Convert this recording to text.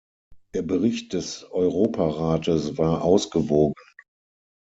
Der Bericht des Europarates war ausgewogen.